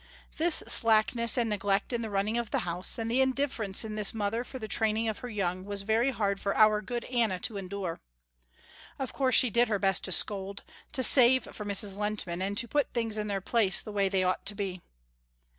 This slackness and neglect in the running of the house, and the indifference in this mother for the training of her young was very hard for our good Anna to endure. Of course she did her best to scold, to save for Mrs. Lehntman, and to put things in their place the way they ought to be.